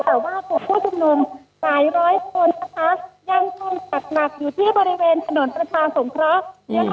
แต่ว่ากลุ่มผู้ชุมนุมหลายร้อยคนนะคะยังคงจัดหนักอยู่ที่บริเวณถนนประชาสงเคราะห์